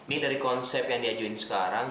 ini dari konsep yang diajuin sekarang